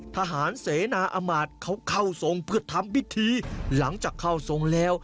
ทหารเสนาอมาตย์เขาเข้าทรงเพื่อทำพิธีหลังจากเข้าทรงแล้ว